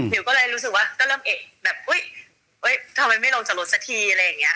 ก็เลยรู้สึกว่าก็เริ่มเอกแบบอุ๊ยทำไมไม่ลงจากรถสักทีอะไรอย่างนี้